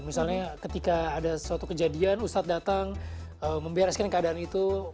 misalnya ketika ada suatu kejadian ustadz datang membereskan keadaan itu